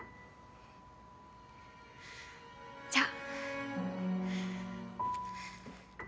じゃあ。